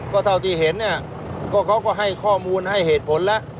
ก็เท่าที่เห็นเนี่ยก็เขาก็ให้ข้อมูลให้เหตุผลแล้ว